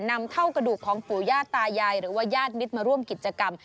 นำเท่ากระดูกของปู่ย่าตายายหรือว่าญาติมิตรมาร่วมกิจกรรม